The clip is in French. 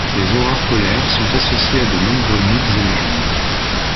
Les aurores polaires sont associées à de nombreux mythes et légendes.